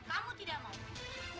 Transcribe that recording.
aku tidak cocok